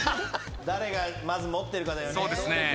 誰がまず持ってるかだよね。